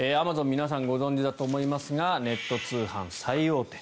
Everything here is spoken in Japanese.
皆さんご存じだと思いますがネット通販最大手。